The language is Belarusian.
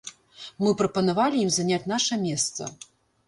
Мы прапанавалі ім заняць наша месца.